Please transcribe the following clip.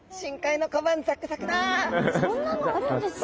そんなのあるんですね。